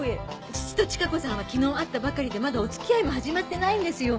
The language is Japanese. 父とチカ子さんは昨日会ったばかりでまだお付き合いも始まってないんですよ。